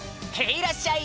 いらっしゃい！